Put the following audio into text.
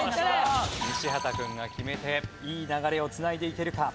西畑くんが決めていい流れを繋いでいけるか？